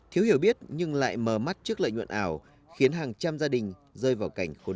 thiếu hiểu biết nhưng lại mở mắt trước lợi nhuận ảo khiến hàng trăm gia đình rơi vào cảnh khổ đốn